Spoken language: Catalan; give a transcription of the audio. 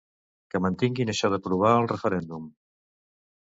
Que mantinguin això de provar el referèndum.